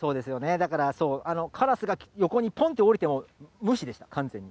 だからそう、カラスが横に、ぽんと降りても、無視でした、完全に。